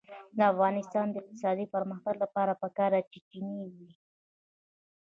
د افغانستان د اقتصادي پرمختګ لپاره پکار ده چې چپنې وي.